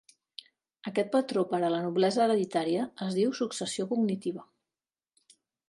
Aquest patró per a la noblesa hereditària es diu "successió cognitiva".